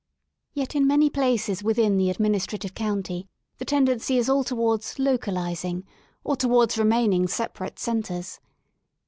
Yet in many places within the Administrative County the tendency is all towards "localising," or towards remaining separate centres.